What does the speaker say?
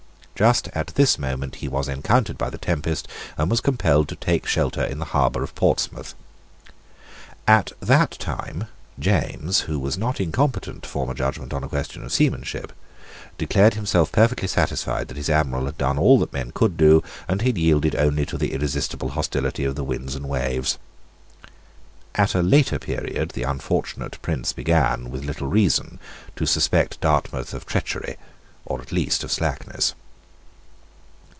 Just at this moment he was encountered by the tempest, and compelled to take shelter in the harbour of Portsmouth. At that time James, who was not incompetent to form a judgment on a question of seamanship, declared himself perfectly satisfied that his Admiral had done all that man could do, and had yielded only to the irresistible hostility of the winds and waves. At a later period the unfortunate prince began, with little reason, to suspect Dartmouth of treachery, or at least of slackness.